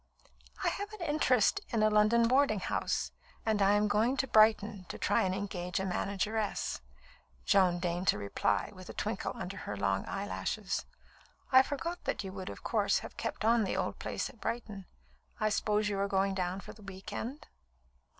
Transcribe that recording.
"I have an interest in a London boarding house, and am going to Brighton to try and engage a manageress," Joan deigned to reply, with a twinkle under her long eyelashes. "I forgot that you would of course have kept on the old place at Brighton. I suppose you are going down for the week end?"